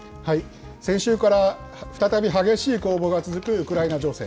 先週から再び激しい攻防が続くウクライナ情勢。